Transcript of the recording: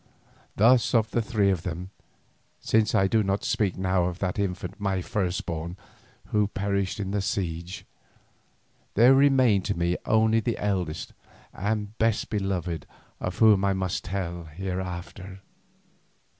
Thus of the three of them—since I do not speak now of that infant, my firstborn, who perished in the siege—there remained to me only the eldest and best beloved of whom I must tell hereafter.